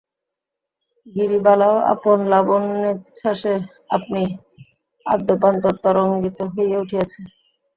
গিরিবালাও আপন লাবণ্যোচ্ছাসে আপনি আদ্যপান্ত তরঙ্গিত হইয়া উঠিয়াছে।